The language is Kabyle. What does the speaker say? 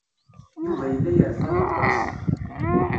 Yuba yella yerfa aṭas.